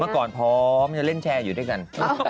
เมื่อก่อนพร้อมจะเล่นแชร์อยู่ด้วยกัน